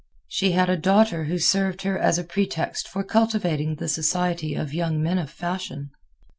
She had a daughter who served her as a pretext for cultivating the society of young men of fashion.